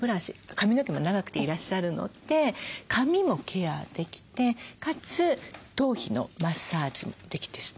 髪の毛も長くていらっしゃるので髪もケアできてかつ頭皮のマッサージもできてしまうというものです。